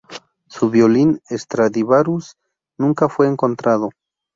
Su violín Stradivarius nunca fue encontrado.